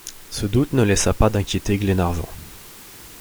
Ce doute ne laissa pas d’inquiéter Glenarvan.